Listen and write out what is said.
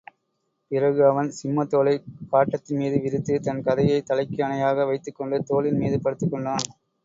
பிறகு அவன் சிம்மத் தோலைக் காட்டத்தின்மீது விரித்து தன் கதையைத் தலைக்கு அணையாக வைத்துக்கொண்டு, தோலின் மீது படுத்துக்கொண்டான்.